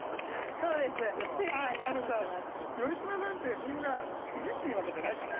頼綱さんってみんないじっていいわけじゃないから。